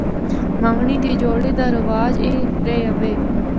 منگنڑی دے جوڑے دا رواج عا رہیا وے۔